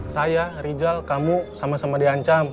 saya rizal kamu sama sama dihancam